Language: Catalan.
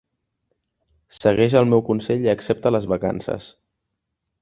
Segueix el meu consell i accepta les vacances.